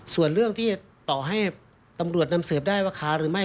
ส่วนเรื่องที่ต่อให้ตำรวจนำสืบได้ว่าค้าหรือไม่